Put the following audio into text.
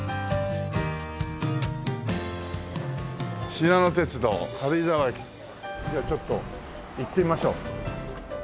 「しなの鉄道軽井沢駅」じゃあちょっと行ってみましょう。